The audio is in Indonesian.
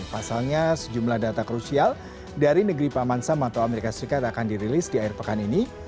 pasalnya sejumlah data krusial dari negeri paman sam atau amerika serikat akan dirilis di air pekan ini